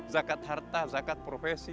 zakat harta zakat profesi